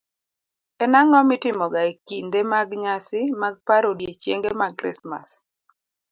En ang'o mitimoga e kinde mag nyasi mag paro odiechienge mag Krismas?